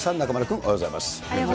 おはようございます。